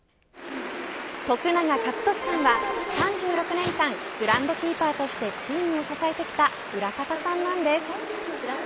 徳永勝利さんは３６年間グラウンドキーパーとしてチームを支えてきた裏方さんなんです。